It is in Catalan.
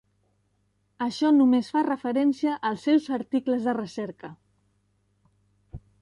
Això només fa referència als seus articles de recerca.